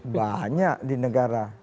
banyak di negara